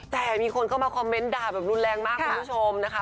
แต่มีคนเข้ามาคอมเมนต์ด่าแบบรุนแรงมากคุณผู้ชมนะคะ